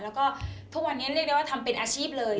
แล้วก็ทุกวันนี้เรียกได้ว่าทำเป็นอาชีพเลย